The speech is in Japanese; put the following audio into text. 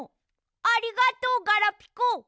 ありがとうガラピコ。